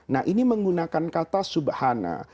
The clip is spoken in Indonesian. nah ini menggunakan kata subhana